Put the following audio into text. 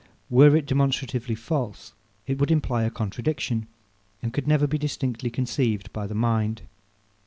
Were it demonstratively false, it would imply a contradiction, and could never be distinctly conceived by the mind.